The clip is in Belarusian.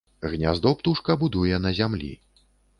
Гняздо птушка будуе на зямлі.